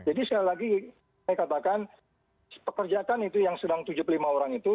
jadi sekali lagi saya katakan pekerjakan itu yang sedang tujuh puluh lima orang itu